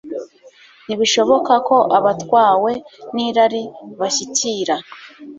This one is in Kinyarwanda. Ntibishoboka ko abatwawe nirari bashyikira